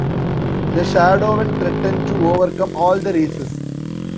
The Shadowen threaten to overcome all the Races.